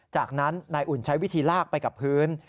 จากนั้นนายอุ่นใช้วิธีลากไปกับพื้น